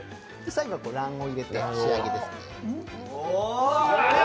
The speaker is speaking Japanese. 最後に卵黄を入れて仕上げですね。